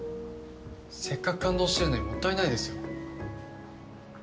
せっかく感動してるのにもったいないですよ